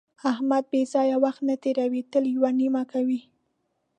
احمد بې ځایه وخت نه تېروي، تل یوه نیمه کوي.